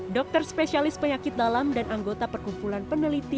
dokter spesialis penyakit dalam dan anggota perkumpulan peneliti